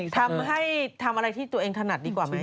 ทำอะไรที่ตัวเองถนัดดีกว่าไหม